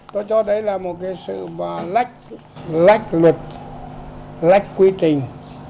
tôi cho đấy là một cái sự lách lách luật lách quy trình